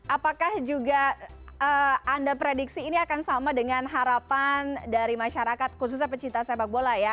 apakah juga anda prediksi ini akan sama dengan harapan dari masyarakat khususnya pecinta sepak bola ya